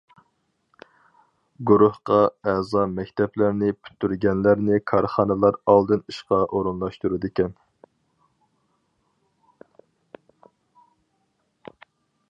گۇرۇھقا ئەزا مەكتەپلەرنى پۈتتۈرگەنلەرنى كارخانىلار ئالدىن ئىشقا ئورۇنلاشتۇرىدىكەن.